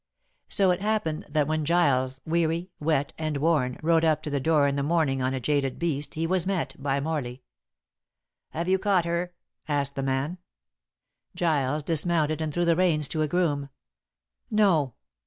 So it happened that when Giles, weary, wet, and worn, rode up to the door in the morning on a jaded beast, he was met by Morley. "Have you caught her?" asked the man. Giles dismounted and threw the reins to a groom. "No.